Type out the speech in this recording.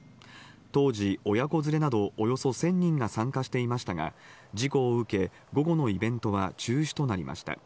当時、親子連れなどおよそ１０００人が参加していましたが、事故を受け、午後のイベントは中止となりました。